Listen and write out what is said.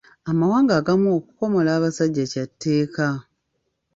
Amawanga agamu, okukomola abasajja kya tteeka.